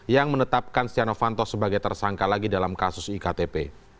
yang menetapkan stiano fanto sebagai tersangka lagi dalam kasus iktp